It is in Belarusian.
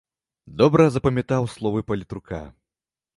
Добра запамятаў словы палітрука.